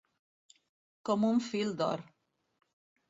Com un fil d'or.